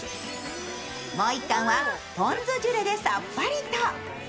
もう１貫はポン酢ジュレでさっぱりと。